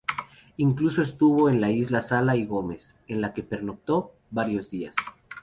Incluso estuvo en la Isla Sala y Gómez, en la que pernoctó varios días.